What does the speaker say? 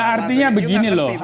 nah artinya begini loh